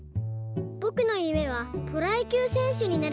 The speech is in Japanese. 「ぼくのゆめはプロやきゅうせんしゅになることです。